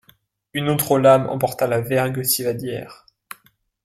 Une autre lame emporta la vergue civadière.